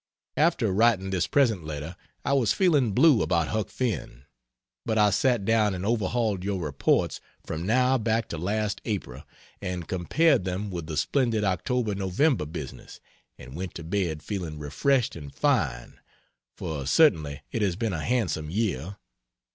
After writing this present letter I was feeling blue about Huck Finn, but I sat down and overhauled your reports from now back to last April and compared them with the splendid Oct. Nov. business, and went to bed feeling refreshed and fine, for certainly it has been a handsome year.